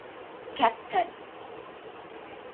ކެޕްޓަން